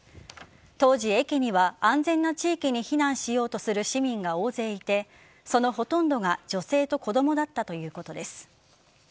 当時、駅には安全な地域に避難しようとする市民が大勢いてそのほとんどが女性と子供だったということです。